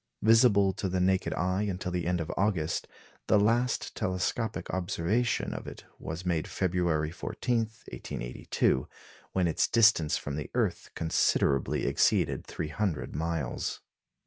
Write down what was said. Visible to the naked eye until the end of August, the last telescopic observation of it was made February 14, 1882, when its distance from the earth considerably exceeded 300 million miles.